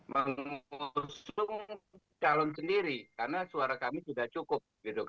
mengusung calon sendiri karena suara kami sudah cukup